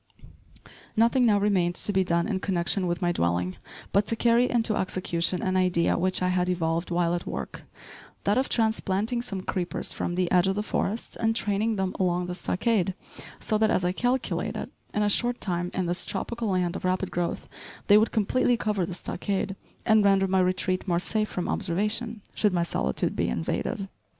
Nothing now remained to be done in connection with my dwelling, but to carry into execution an idea which I had evolved while at work, that of transplanting some creepers from the edge of the forest and training them along the stockade, so that, as I calculated, in a short time, in this tropical land of rapid growth, they would completely cover the stockade, and render my retreat more safe from observation, should my solitude be invaded.